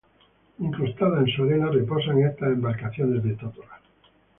Incrustadas en su arena reposan estas embarcaciones de totora.